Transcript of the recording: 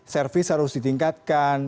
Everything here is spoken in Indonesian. servis harus ditingkatkan